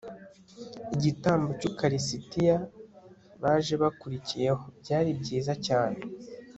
igitambo cy'ukarisitiya, baje bakurikiyeho. byari byiza cyane